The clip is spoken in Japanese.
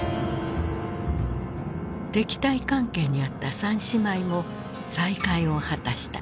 敵対関係にあった三姉妹も再会を果たした。